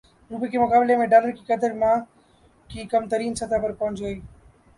روپے کے مقابلے میں ڈالر کی قدر ماہ کی کم ترین سطح پر پہنچ گئی